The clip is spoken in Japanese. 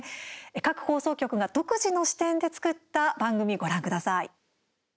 各放送局が独自の視点で作った番組、ご覧ください。